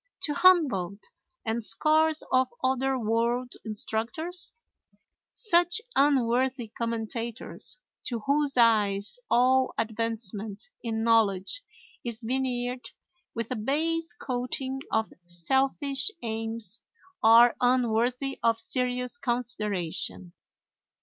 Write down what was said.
to Humboldt and scores of other world instructors? Such unworthy commentators, to whose eyes all advancement in knowledge is veneered with a base coating of selfish aims, are unworthy of serious consideration.